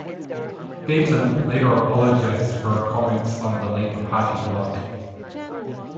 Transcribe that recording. Fenton later apologised for her comments on the Labour Party blog.